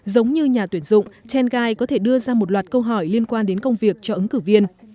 giống như nhà tuyển dụng tengai có thể đưa ra một loạt câu hỏi liên quan đến công việc cho ứng cử viên